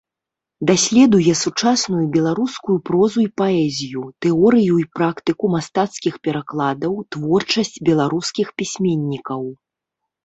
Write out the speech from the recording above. Даследуе сучасную беларускую прозу і паэзію, тэорыю і практыку мастацкіх перакладаў, творчасць беларускіх пісьменнікаў.